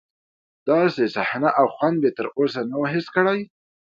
داسې صحنه او خوند مې تر اوسه نه و حس کړی.